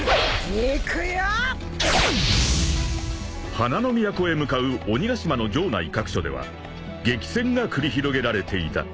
［花の都へ向かう鬼ヶ島の城内各所では激戦が繰り広げられていた］